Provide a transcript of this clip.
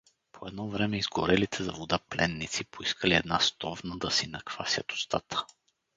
По едно време изгорелите за вода пленници поискали една стовна, да си наквасят устата.